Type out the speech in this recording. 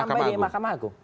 sampai di mahkamah agung